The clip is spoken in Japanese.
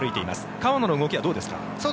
川野の動きはどうですか？